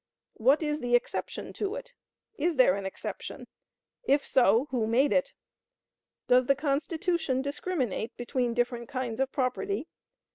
What is the exception to it? Is there an exception? If so, who made it? Does the Constitution discriminate between different kinds of property?